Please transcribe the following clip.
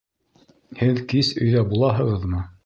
Һеҙ кис өйҙә булаһығыҙмы?